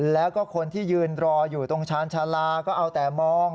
แล้วก็คนที่ยืนรออยู่ตรงชาญชาลาก็เอาแต่มอง